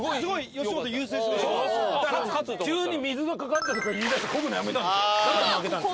急に水が掛かったとか言いだしてこぐのやめたんですよ。